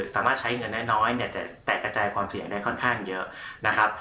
สามารถใช้เงินน้อยเนี่ยจะแตกกระจายความเสี่ยงได้ค่อนข้างเยอะนะครับ